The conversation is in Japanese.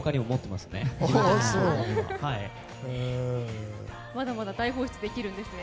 まだまだ大放出できるんですね。